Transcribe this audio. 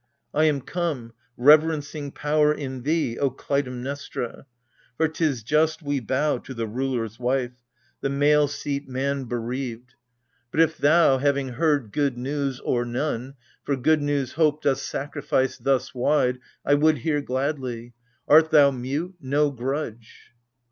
1 am come, reverencing power in thee, O Klutaimnestra ! For 'tis just we bow To the ruler's wife, — the male seat man bereaved. AGAMEMNON. 23 But if thou, having heard good news, — or none,^ — For good news' hope dost sacrifice thus wide, I would hear gladly : art thou mute, — no grudge